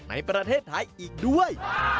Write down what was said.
ในประเทศไทยอีกด้วย